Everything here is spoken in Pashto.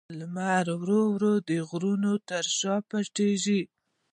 لمر ورو ورو د غرونو تر شا پټېږي.